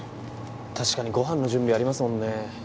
確かにご飯の準備ありますもんね。